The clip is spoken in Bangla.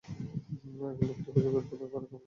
আগে লোকটা খুঁজে বের কর, পরে খাবার পাবি।